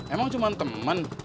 emang cuma temen